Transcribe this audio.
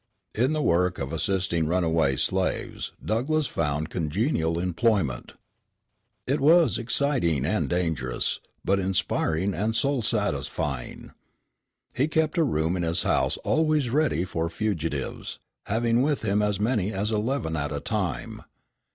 In the work of assisting runaway slaves Douglass found congenial employment. It was exciting and dangerous, but inspiring and soul satisfying. He kept a room in his house always ready for fugitives, having with him as many as eleven at a time.